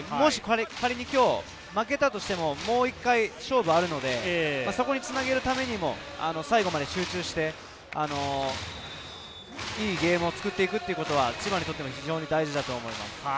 仮に今日負けたとしても、もう一回勝負があるので、そこに繋げるためにも最後まで集中していいゲームを作っていくということが千葉にとっては非常に大事だと思います。